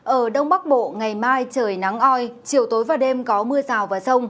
ở đông bắc bộ ngày mai trời nắng oi chiều tối và đêm có mưa rào và rông